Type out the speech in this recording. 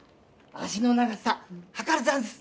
足の長さはかるざんす！